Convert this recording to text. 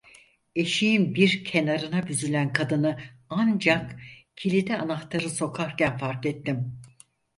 Eşiğin bir kenarına büzülen kadını ancak kilide anahtarı sokarken fark ettim.